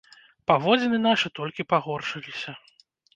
Паводзіны нашы толькі пагоршыліся.